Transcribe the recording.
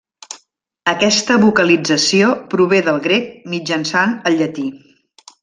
Aquesta vocalització prové del grec mitjançant el llatí.